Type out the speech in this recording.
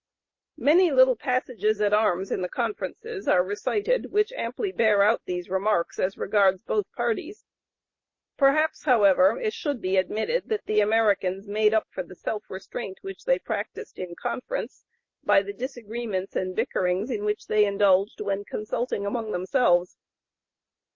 Many little passages at arms in the conferences are recited which amply bear out these remarks as regards both parties. Perhaps, however, it should be admitted that the Americans made up for the self restraint which they practised in conference by the disagreements and bickerings in which they indulged when consulting among (p. 082) themselves.